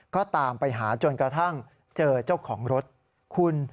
ก็ตามไปหาจนกระทั่งเจอเจ้าของรถคุณ